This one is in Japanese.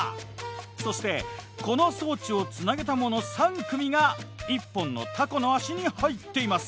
そしてこの装置をつなげたもの３組が一本のタコの足に入っています。